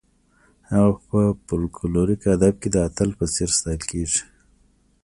هغه په فولکلوریک ادب کې د اتل په څېر ستایل کیږي.